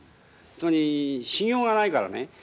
つまり信用がないからね。